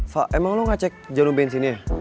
fak emang lo gak cek jalur bensinnya